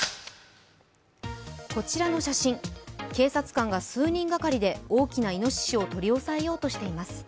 こちらの写真、警察官が数人がかりで大きないのししを取り押さえようとしています。